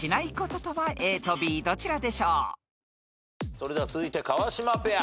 それでは続いて川島ペア。